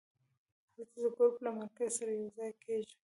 هلته د ګروپ له ملګرو سره یو ځای کېږم.